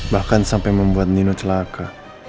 bahkan sampai membuat nino celaka